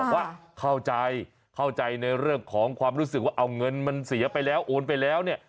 ว่าเข้าใจเข้าใจในเรื่องของความรู้สึกว่าเอาเงินมันเสียไปแล้วโอนไปแล้วเนี่ย